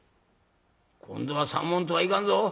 今度は３文とはいかんぞ。